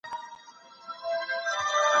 اسلام د سولي او ورورولۍ پيغام راوړی دی.